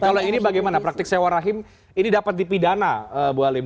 kalau ini bagaimana praktik sewa rahim ini dapat dipidana bu halim